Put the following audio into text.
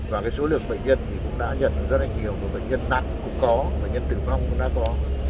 và số lượng bệnh nhân cũng đã nhận rất là nhiều và bệnh nhân nặng cũng có và bệnh nhân tử vong cũng đã có